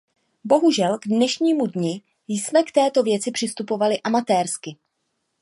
Bohužel k dnešnímu dni jsme k této věci přistupovali amatérsky.